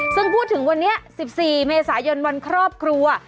ซึ่งพูดถึงวันนี้๑๔เมษายนวันครอบครัว